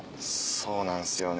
そうなんすよね。